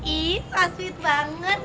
ih pasuit banget